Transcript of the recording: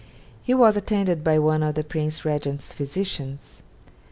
He was attended by one of the Prince Regent's physicians.